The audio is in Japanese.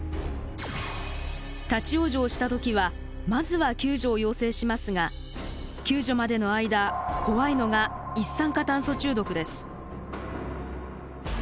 立往生した時はまずは救助を要請しますが救助までの間怖いのが一酸化炭素中毒です。